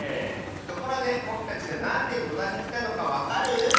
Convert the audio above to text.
ところでぼくたちがなんで野田にきたのかわかる？